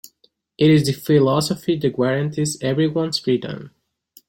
It's the philosophy that guarantees everyone's freedom.